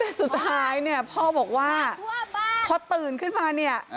แต่สุดท้ายพ่อบอกว่าพ่อตื่นขึ้นมา